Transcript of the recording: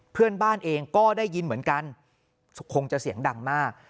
เพื่อนบ้านเองก็ได้ยินเหมือนกันคงจะเสียงดังมาก